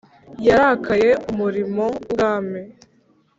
yarakaye Umurimo w Ubwami